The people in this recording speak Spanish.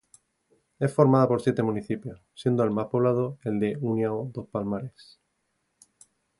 Es formada por siete municipios, siendo el más poblado el de União dos Palmares.